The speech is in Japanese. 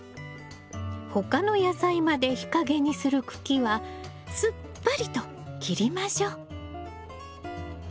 他の野菜まで日陰にする茎はすっぱりと切りましょう。